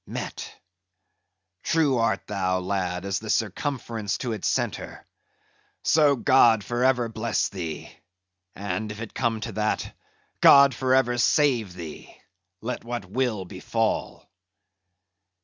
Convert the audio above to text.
—Met! True art thou, lad, as the circumference to its centre. So: God for ever bless thee; and if it come to that,—God for ever save thee, let what will befall."